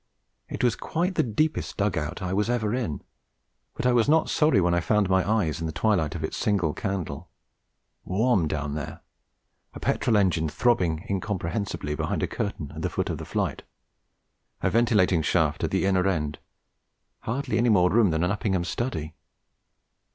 It was quite the deepest dug out I was ever in, but I was not sorry when I had found my eyes in the twilight of its single candle. Warm, down there; a petrol engine throbbing incomprehensibly behind a curtain at the foot of the flight; a ventilating shaft at the inner end; hardly any more room than in an Uppingham study.